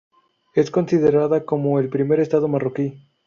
Es considerada como el primer estado marroquí.